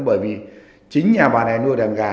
bởi vì chính nhà bà này nuôi đàn gà